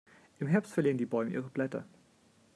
Im Herbst verlieren die Bäume ihre Blätter.